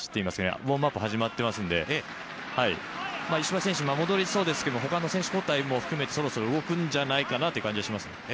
ウオームアップが始まってますので石橋選手、戻りそうですけど、ほかの選手交代も含めてそろそろ動くんじゃないかなという感じはします。